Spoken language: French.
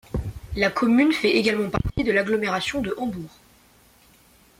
La commune fait également partie de l'agglomération de Hambourg.